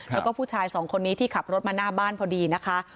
แล้วก็ผู้ชายสองคนนี้ที่ขับรถมาหน้าบ้านพอดีนะคะ